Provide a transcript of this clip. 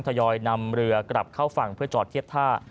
ยอยนำเรือกลับเข้าฝั่งเพื่อจอดเทียบท่า